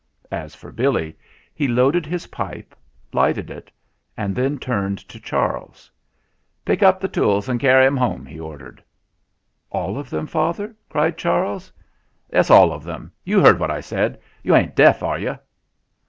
As for Billy, he loaded his pipe, lighted it, and then turned to Charles. "Pick up the tools and carry 'em home," he ordered. "All of them, father !" cried Charles. "Yes, all of 'em. You heard what I said. You ain't deaf, are you